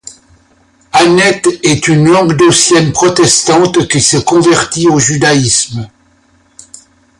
Annette est une languedocienne protestante qui se convertit au judaïsme.